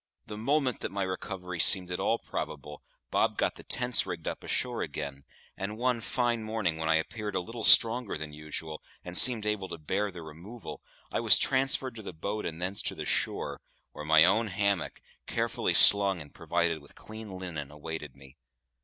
The moment that my recovery seemed at all probable, Bob got the tents rigged up ashore again; and one fine morning when I appeared a little stronger than usual, and seemed able to bear the removal, I was transferred to the boat and thence to the shore, where my own hammock, carefully slung and provided with clean linen, awaited me.